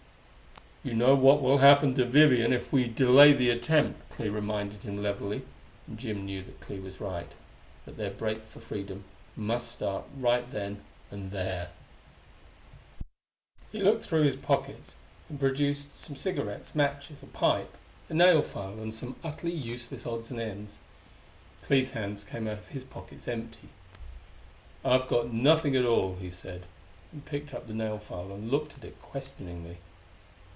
"You know what will happen to Vivian if we delay the attempt." Clee reminded him levelly: and Jim knew that Clee was right that their break for freedom must start right then and there.... He looked through his pockets and produced some cigarettes, matches, a pipe, a nailfile and some utterly useless odds and ends. Clee's hands came out of his pockets empty. "I've got nothing at all," he said and picked up the nailfile and looked at it questioningly.